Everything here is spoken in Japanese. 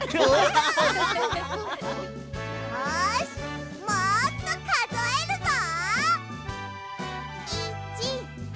よしもっとかぞえるぞ！